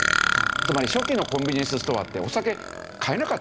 つまり初期のコンビニエンスストアってお酒買えなかったんですよ。